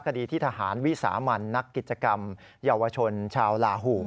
คดีที่ทหารวิสามันนักกิจกรรมเยาวชนชาวลาหู